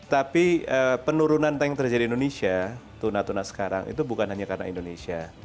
tapi penurunan tren yang terjadi di indonesia tuna tuna sekarang itu bukan hanya karena indonesia